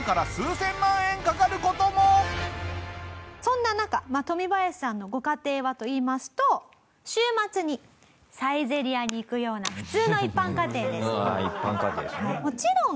そんな中トミバヤシさんのご家庭はといいますと週末にサイゼリヤに行くような普通の一般家庭です。